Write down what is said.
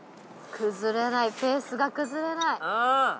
崩れないペースが崩れない。